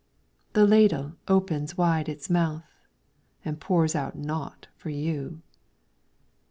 The Ladle opens wide its mouth. And pours out naught for you.